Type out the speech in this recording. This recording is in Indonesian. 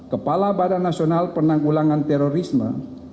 kepala badan nasional penanggulangan terorisme